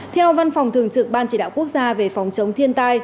theo văn phòng thường trực ban chỉ đạo quốc gia về phòng chống thiên tai